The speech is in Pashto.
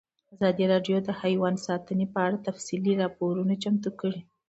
ازادي راډیو د حیوان ساتنه په اړه تفصیلي راپور چمتو کړی.